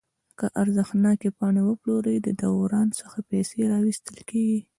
که ارزښتناکې پاڼې وپلوري د دوران څخه پیسې راویستل کیږي.